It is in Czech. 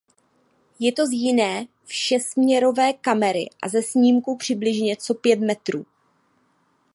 Je to z jiné všesměrové kamery a ze snímků přibližně co pět metrů.